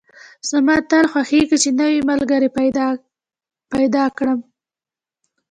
زما تل خوښېږي چې نوی ملګري پیدا کدم